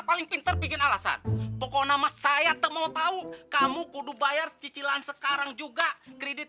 paling pinter bikin alasan pokoknya nama saya temu tahu kamu kudu bayar cicilan sekarang juga kredit